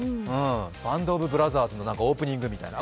「バンドオブブラザーズ」のオープニングみたいな。